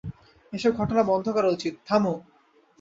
এসব ঘটনা বন্ধ করা উচিত, থামো।